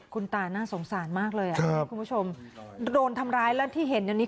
คุณตาน่าสงสารมากเลยอ่ะคุณผู้ชมโดนทำร้ายแล้วที่เห็นอยู่นี้